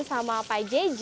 sama pak jj